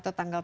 ya kalau dari